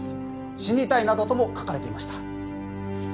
「死にたい」などとも書かれていました